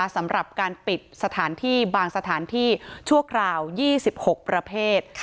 สำหรับการปิดสถานที่บางสถานที่ชั่วคราว๒๖ประเภท